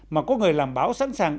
mà có người làm báo sẵn sàng